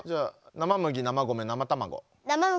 生麦生米生卵。